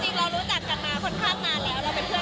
จริงเรารู้จักกันมาค่อนข้างนานแล้ว